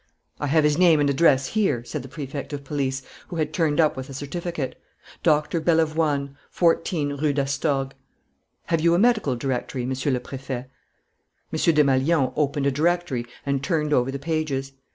"I have his name and address here," said the Prefect of Police, who had turned up the certificate. "Doctor Bellavoine, 14 Rue d'Astorg." "Have you a medical directory, Monsieur le Préfet?" M. Desmalions opened a directory and turned over the pages.